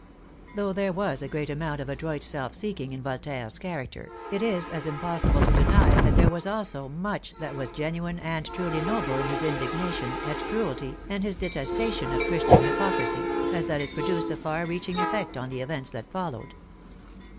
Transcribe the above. Though there was a great amount of adroit self seeking in Voltaire's character, it is as impossible to deny that there was also much that was genuine and truly noble in his indigna tion at cruelty and his detestation of Christian hypocrisy, as that it produced a far reaching effect on the events that followed.